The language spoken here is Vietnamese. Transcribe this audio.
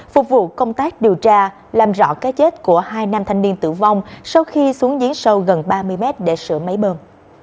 phục vụ công tác điều tra làm rõ cái chết của hai nam thanh niên tử vong sau khi xuống dưới sâu gần ba mươi mét để sửa máy bơm